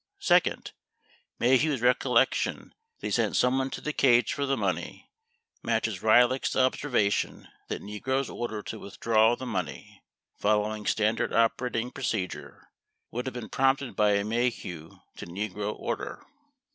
28 Second, Maheu's recollection that he sent someone to the cage for the money matches Ryhlick's observation that Nigro's order to withdraw the money, following standard operating procedure, would have been prompted by a Maheu to Nigro order.